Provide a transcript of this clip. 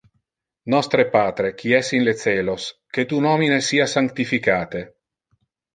Nostre Patre qui es in le celos, que tu nomine sia sanctificate.